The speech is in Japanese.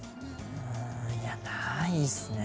いやないですね。